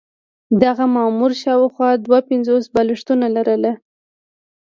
دغه مامور شاوخوا دوه پنځوس بالښتونه لرل.